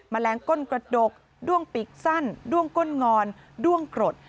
แมลงก้นกระดกด้วงปีกสั้นด้วงก้นงอนด้วงกรด